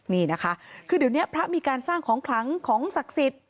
นี่นะคะคือเดี๋ยวนี้พระมีการสร้างของขลังของศักดิ์สิทธิ์